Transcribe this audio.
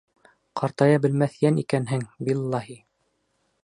Ҡартая белмәҫ йән икәнһең, биллаһи...